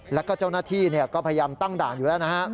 แล้วก็เจ้าหน้าที่ก็พยายามตั้งด่านอยู่แล้วนะฮะ